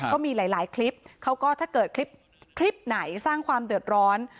ก็มีหลายคลิปเขาก็ถ้าเกิดคลิปไหนสร้างความเดือดร้อน